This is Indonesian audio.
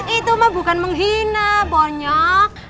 itu mah bukan menghina banyak